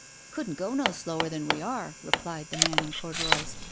" "Couldn't go no slower than we are !" replied the man in corduroys.